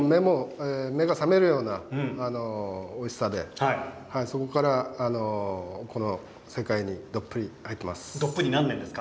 目が覚めるようなおいしさで、そこからこの世界にどっぷりと入っています。